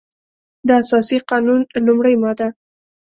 د اساسي قانون لمړۍ ماده